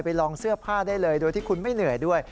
ลองเสื้อผ้าได้เลยโดยที่คุณไม่เหนื่อยด้วย